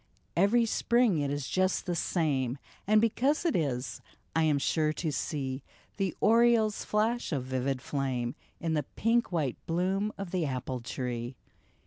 " Every spring it is just the same ! And because it is, I am sure to see The oriole's flash of vivid flame In the pink white bloom of the apple tree."